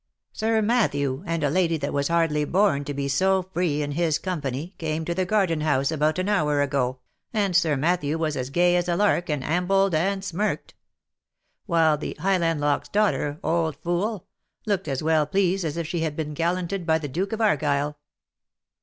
Sir Matthew, and a lady that was hardly born to he so free in his company, came to the garden house about an hour ago, and Sir Matthew was as gay as a lark, and ambled and smirked ; while the Highlandloch's daughter, old fool ! looked as weU pleased as if she had been gallanted by the Duke of Argyle.